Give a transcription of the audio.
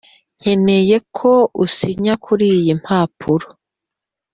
nkeneye ko usinya kuriyi mpapuro.